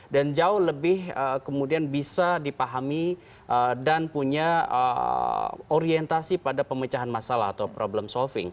dan jauh lebih kemudian bisa dipahami dan punya orientasi pada pemecahan masalah atau problem solving